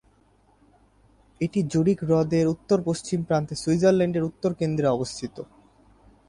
এটি জুরিখ হ্রদের উত্তর-পশ্চিম প্রান্তে সুইজারল্যান্ডের উত্তর-কেন্দ্রে অবস্থিত।